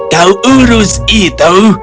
kau urus itu